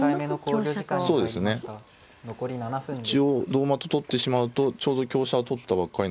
同馬と取ってしまうとちょうど香車を取ったばっかり